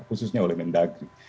khususnya oleh mendaga